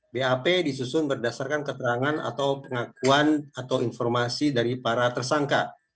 bap disusun berdasarkan keterangan atau pengakuan atau informasi dari para tersangka